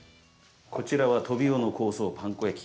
こちらはトビウオの香草パン粉焼き。